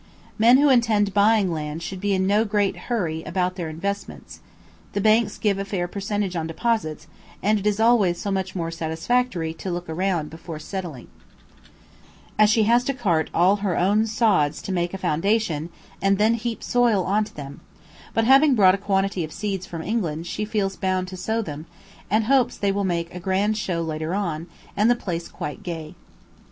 Men who intend buying land should be in no great hurry about their investments; the banks give a fair percentage on deposits, and it is always so much more satisfactory to look around before settling. E has been very busy arranging the garden; a most fatiguing process, as she has to cart all her own sods to make a foundation and then heap soil on to them; but having brought a quantity of seeds from England she feels bound to sow them, and hopes they will make a grand show later on, and the place quite gay.